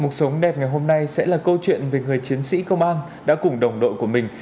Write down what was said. mục sống đẹp ngày hôm nay sẽ là câu chuyện về người chiến sĩ công an đã cùng đồng đội của mình